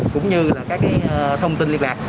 cũng như là các thông tin liên lạc